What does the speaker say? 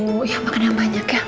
oh ya makan yang banyak ya